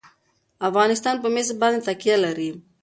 افغانستان په مس باندې تکیه لري.